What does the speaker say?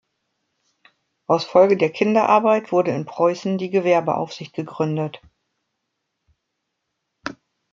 Als Folge der Kinderarbeit wurde in Preußen die Gewerbeaufsicht gegründet.